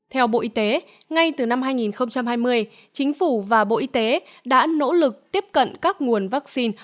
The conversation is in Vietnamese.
theo bộ y tế ngay từ năm hai nghìn hai mươi chính phủ và bộ y tế đã nỗ lực tiếp cận các nguồn vaccine